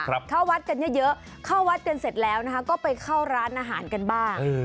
เข้าวัดกันเยอะเยอะเข้าวัดกันเสร็จแล้วนะคะก็ไปเข้าร้านอาหารกันบ้าง